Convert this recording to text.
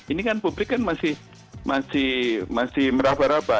ini kan publik kan masih meraba raba